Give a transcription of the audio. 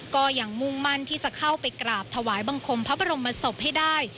ก็ยังมุ่งมั่นที่จะเข้าไปกราบถวายบังคมพระบรมศพให้ได้